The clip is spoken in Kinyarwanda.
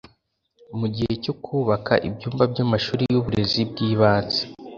mu gihe cyo kubaka ibyumba by’amashuri y’uburezi bw’ibanze